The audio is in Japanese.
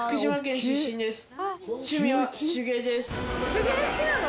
手芸好きなの？